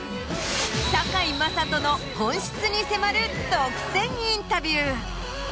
堺雅人の本質に迫る独占インタビュー。